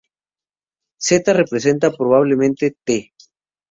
Z representa probablemente "t".